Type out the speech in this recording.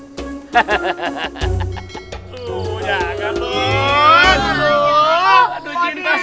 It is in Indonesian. gak mah sebenernya gak breasts lagi gitu